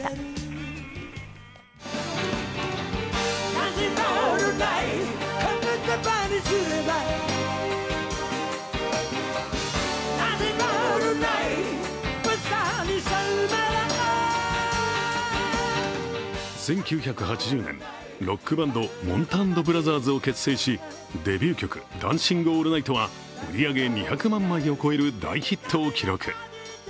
「ダンシング・オールナイト」で一世をふうびした１９８０年、ロックバンド、もんた＆ブラザーズを結成し、デビュー曲「ダンシング・オールナイト」は売り上げ２００万枚を超える大ヒットを記録。